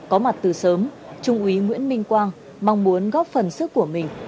có mặt từ sớm trung úy nguyễn minh quang mong muốn góp phần sức của mình